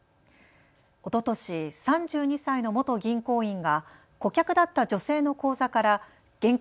おととし、３２歳の元銀行員が顧客だった女性の口座から現金